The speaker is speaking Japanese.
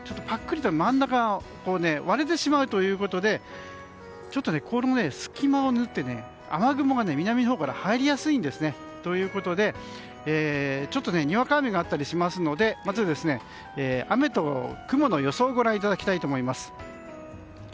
ぱっくりと真ん中が割れてしまうということでこの隙間を縫って雨雲が南のほうから入りやすいんですね。ということでちょっとにわか雨があったりするのでまず、雨と雲の予想をご覧いただきたいと思います。